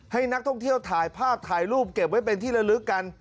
ให้นักท่องเที่ยวถ่ายภาพถ่ายรูปเก็บไว้เป็นที่ละลึกกัน